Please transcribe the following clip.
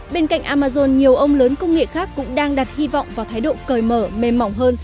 bên cạnh amazon nhiều ông lớn công nghệ khác cũng đang đặt hy vọng vào thái độ cởi mở mềm mỏng hơn